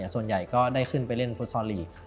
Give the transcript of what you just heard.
ส่วนใหญ่ก็ได้ขึ้นไปเล่นฟุตซอลลีก